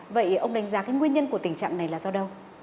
vậy ông đánh giá cái nguyên nhân của tình trạng này là do đâu